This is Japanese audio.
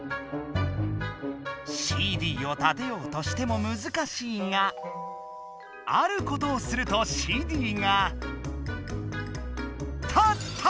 ＣＤを立てようとしてもむずかしいがあることをするとＣＤが立った！